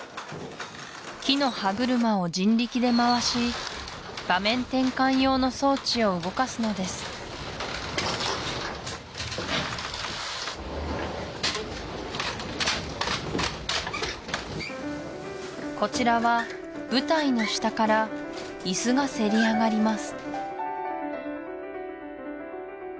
木の歯車を人力で回し場面転換用の装置を動かすのですこちらは舞台の下から椅子がせり上がります